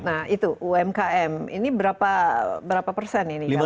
nah itu umkm ini berapa persen ini